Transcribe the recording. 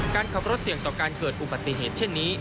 การขับรถเสี่ยงต่อการเกิดอุบัติเหตุเช่นนี้